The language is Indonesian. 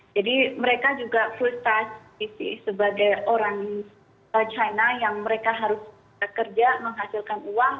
jadi mereka juga full staff sebagai orang china yang mereka harus kerja menghasilkan uang